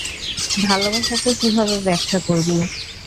ভালবাসাকে কিভাবে ব্যাখ্যা করবি?